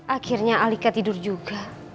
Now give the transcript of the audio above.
akhirnya alika tidur juga